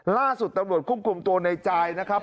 ล่าสุดตำรวจคุมตัวในจายนะครับ